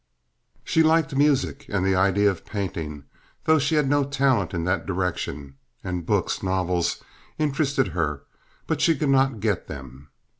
She liked music and the idea of painting, though she had no talent in that direction; and books, novels, interested her, but she could not get them.